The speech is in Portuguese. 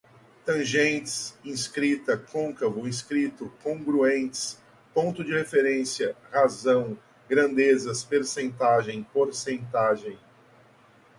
tangentes, inscrita, côncavo, inscrito, congruentes, ponto de referência, razão, grandezas, percentagem, porcentagem